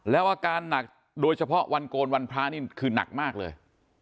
แล้วอาการหนักโดยเฉพาะวันโกนวันพระนี่คือหนักมากเลย